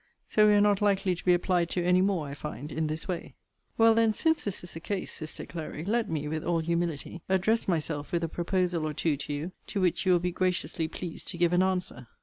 So we are not likely to be applied to any more, I find, in this way. Well then, since this is the case, sister Clary, let me, with all humility, address myself with a proposal or two to you; to which you will be graciously pleased to give an answer.